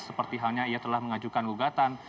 seperti halnya ia telah mengajukan gugatan